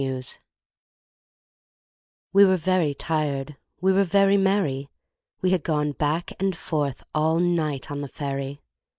Recuerdo WE WERE very tired, we were very merry We had gone back and forth all night on the ferry.